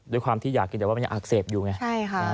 ด้วยความที่อยากกินแต่ว่ามันยังอักเสบอยู่ไงใช่ค่ะ